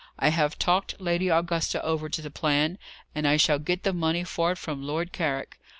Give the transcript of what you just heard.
I have talked Lady Augusta over to the plan, and I shall get the money for it from Lord Carrick.